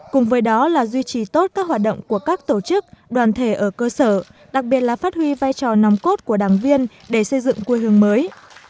cùng với đó là duy trì tốt các hoạt động của các tổ chức đoàn thể ở cơ sở đặc biệt là phát huy vai trò nòng cốt của đảng viên để xây dựng quê hương mới